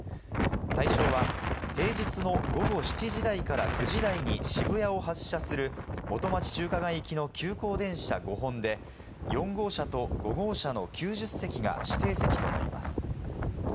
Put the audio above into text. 対象は平日の午後７時台から９時台に渋谷を発車する元町・中華街行きの急行電車５本で、４号車と５号車の９０席が指定席となります。